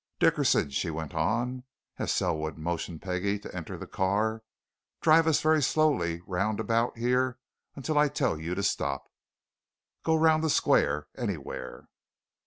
Dickerson," she went on, as Selwood motioned Peggie to enter the car, "drive us very slowly round about here until I tell you to stop go round the square anywhere."